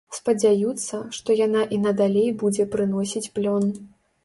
Спадзяюцца, што яна і надалей будзе прыносіць плён.